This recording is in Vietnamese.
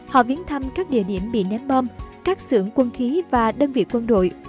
họ viếng thăm các địa điểm bị ném bom các xưởng quân khí và đơn vị quân đội